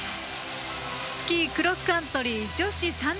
スキー・クロスカントリー女子３０ｋｍ